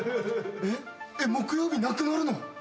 えっ木曜日なくなるの？